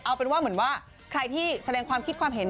เอาเป็นว่าเหมือนว่าใครที่แสดงความคิดความเห็น